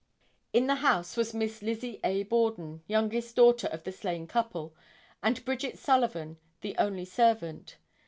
In the house was Miss Lizzie A. Borden, youngest daughter of the slain couple, and Bridget Sullivan, the only servant.